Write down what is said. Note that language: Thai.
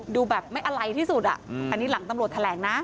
ดูแบบไม่อะไรที่สุดอ่ะอันนี้หลังตำรวจแถลงนะ